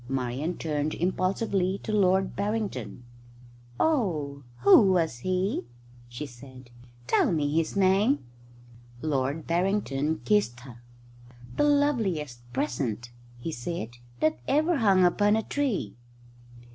Marian turned impulsively to Lord Barrington. "Oh, who was he?" she said. "Tell me his name." Lord Barrington kissed her. "The loveliest present," he said, "that ever hung upon a tree."